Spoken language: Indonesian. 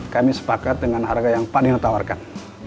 kami sepakat dengan harga yang pak dino tawarkan